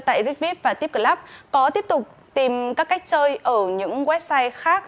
tại rigvip và tipclub có tiếp tục tìm các cách chơi ở những website khác